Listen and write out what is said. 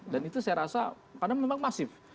dan itu saya rasa karena memang masif